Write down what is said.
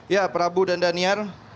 ya prabu dan daniar